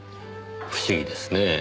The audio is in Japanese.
不思議ですねぇ。